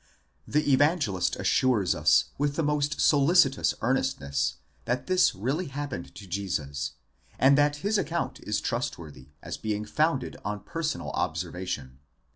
The Evangelist assures us, with the most solicitous earnestness, that this really happened to Jesus, and that his account is trustworthy, as being founded on personal observation (v.